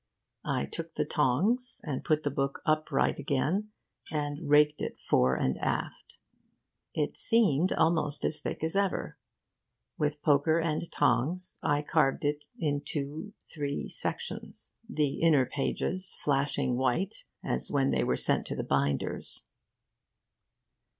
I took the tongs and put the book upright again, and raked it fore and aft. It seemed almost as thick as ever. With poker and tongs I carved it into two, three sections the inner pages flashing white as when they were sent to the binders.